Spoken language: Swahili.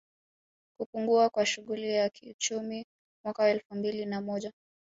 Kupungua kwa shughuli za kiuchumi Mwaka wa elfumbili na moja